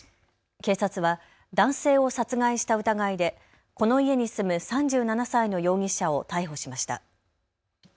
警察は男性を殺害した疑いでこの家に住む３７歳の容疑者を逮捕しました。